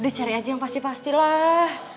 udah cari aja yang pasti pasti lah